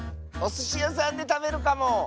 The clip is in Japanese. おすしやさんでたべるかも！